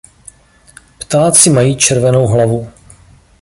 Ptáci mají červenou hlavu.